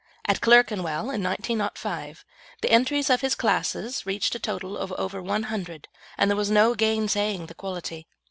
At Clerkenwell, in 1905, the entries in his classes reached a total of over one hundred, and there was no gainsaying the quality.